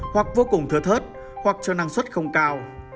hoặc vô cùng thưa thớt hoặc cho năng suất không cao